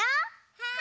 はい！